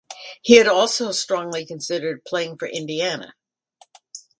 He had also strongly considered playing for Indiana.